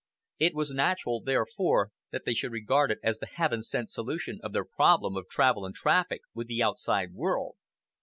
It was natural, therefore, that they should regard it as the heaven sent solution of their problem of travel and traffic with the outside world.